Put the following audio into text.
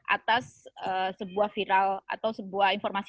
atas sebuah viral atau sebuah informasi